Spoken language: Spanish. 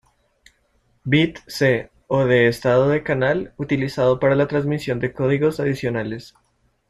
Bit C o de estado del canal, utilizado para la transmisión de códigos adicionales.